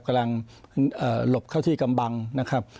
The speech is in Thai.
กำลังหลบเข้าที่กำบังนะครับ